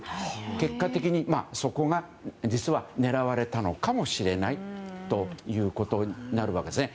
結果的にそこが実は狙われたのかもしれないということになるわけですね。